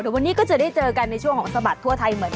วันนี้ก็จะได้เจอกันในช่วงของสบัดทั่วไทยเหมือนกัน